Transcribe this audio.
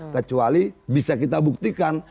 kecuali bisa kita buktikan